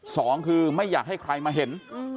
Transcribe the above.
สองคือไม่อยากให้ใครมาเห็น